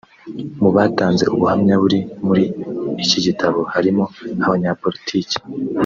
Mu batanze ubuhamya buri muri iki gitabo harimo abanyapolitiki